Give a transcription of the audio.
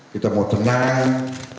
kita mau tenang